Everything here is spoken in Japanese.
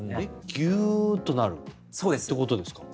ギューッとなるということですか？